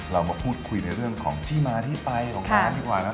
เรามาพูดคุยในเรื่องของที่มาที่ไปของร้านดีกว่าครับ